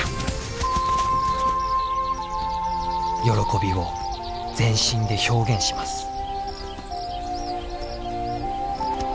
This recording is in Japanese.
喜びを全身で表現します。